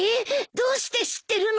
どうして知ってるの？